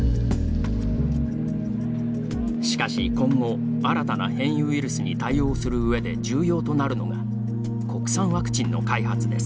しかし、今後新たな変異ウイルスに対応する上で重要となるのが国産ワクチンの開発です。